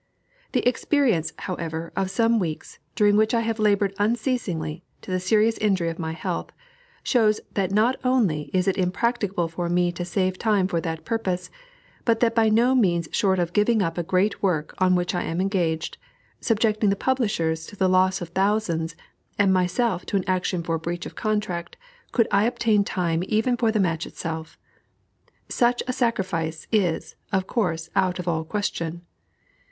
The experience, however, of some weeks, during which I have labored unceasingly, to the serious injury of my health, shows that not only is it impracticable for me to save time for that purpose, but that by no means short of giving up a great work on which I am engaged, subjecting the publishers to the loss of thousands, and myself to an action for breach of contract, could I obtain time even for the match itself. Such a sacrifice is, of course, out of all question.